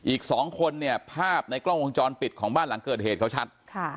อีก๒คนเนี่ยภาพในกล้องวงจรปิดของบ้านหลังเกิดเหตุเขาชัด